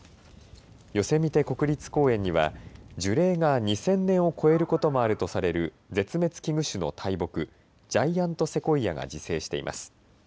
ヨセミテ国立公園には樹齢が２０００年を超えることもあるとされる絶滅危惧種の大木、ジャイアント・セコイアが自生しています。